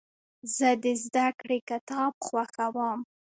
زه د زدهکړې کتاب خوښوم.